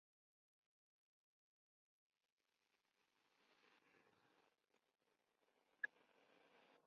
En varias ocasiones, a la vez, se encargaba de presentar el Gran Musical.